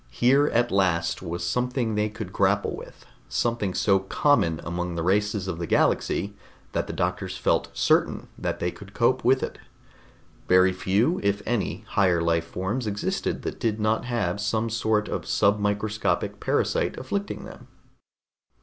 Here at last was something they could grapple with, something so common among the races of the galaxy that the doctors felt certain that they could cope with it. Very few, if any, higher life forms existed that did not have some sort of submicroscopic parasite afflicting them.